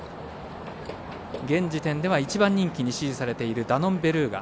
現時点では１番人気に支持されているダノンベルーガ。